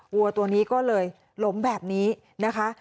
วัวตัวนี้ก็เลยล้มแบบนี้นะคะ